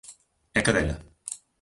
_É cadela.